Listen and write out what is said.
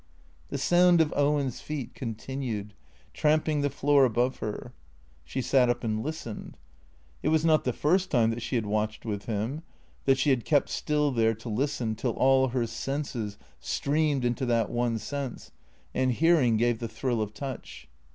The sound of Owen's feet continued, tramping the floor above her. She sat up and listened. It was not the first time that she had watched with him; that she had kept still there to listen till all her senses streamed into that one sense, and hearing gave the thrill of touch.